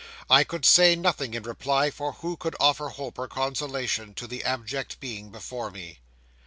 I could say nothing in reply; for who could offer hope, or consolation, to the abject being before me?